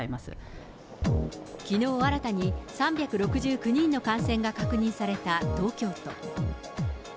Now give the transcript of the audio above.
きのう新たに、３６９人の感染が確認された東京都。